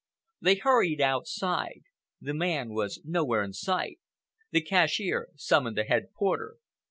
They hurried outside. The man was nowhere in sight. The cashier summoned the head porter.